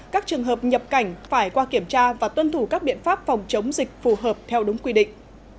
các trường hợp nhập cảnh phải qua kiểm tra và tuân thủ các biện pháp phòng chống dịch phù hợp theo đúng quy định